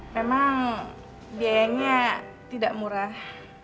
memang biayanya tidak murah